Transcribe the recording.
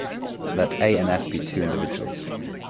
Let "a" and "s" be two individuals.